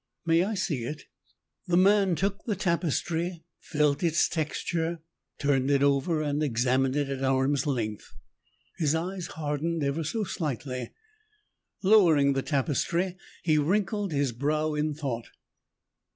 "May I see it?" The man took the tapestry, felt its texture, turned it over and examined it at arm's length. His eyes hardened ever so slightly. Lowering the tapestry, he wrinkled his brow in thought.